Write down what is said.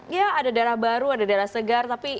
ya ada darah baru ada darah segar tapi